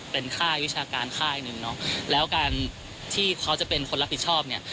เป็นค่าวิชาการค่ายหนึ่งเนาะแล้วการที่เขาจะเป็นคนรับผิดชอบเนี่ย